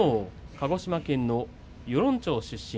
鹿児島県の与論町出身